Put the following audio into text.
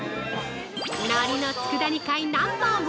◆のりの佃煮界ナンバー１。